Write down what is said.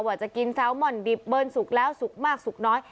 ว่าจะกินแซลมอนดิบเบิ้ลสุกแล้วสุกมากสุกน้อย